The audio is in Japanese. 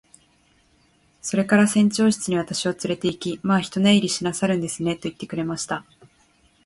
それから船長室に私をつれて行き、「まあ一寝入りしなさるんですね。」と言ってくれました。